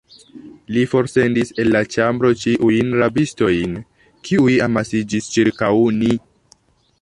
Li forsendis el la ĉambro ĉiujn rabistojn, kiuj amasiĝis ĉirkaŭ ni.